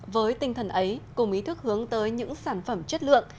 với tinh thần ấy cùng ý thức hướng tới những sản phẩm chất lượng